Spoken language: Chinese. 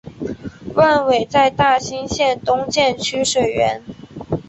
万炜在大兴县东建曲水园。